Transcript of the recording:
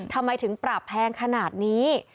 ทำไมถึงปรับแพงขนาดนี้